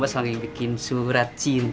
ya kamu selalu bikin surat cinta nih